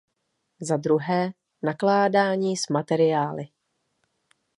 Zadruhé, nakládání s materiály.